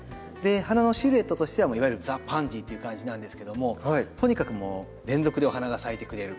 花のシルエットとしてはいわゆるザパンジーという感じなんですけどもとにかくもう連続でお花が咲いてくれる。